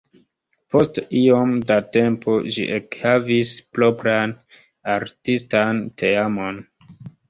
Post iom da tempo ĝi ekhavis propran artistan teamon.